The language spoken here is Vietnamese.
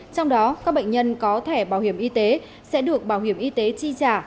trong đó các bệnh nhân có thẻ bảo hiểm y tế sẽ được bảo hiểm y tế chi trả